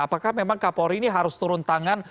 apakah memang kapolri ini harus turun tangan